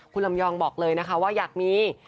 คุณลำยองบอกเลยนะคะว่าอยากมี